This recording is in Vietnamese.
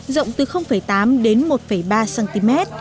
rộng từ tám đến một ba cm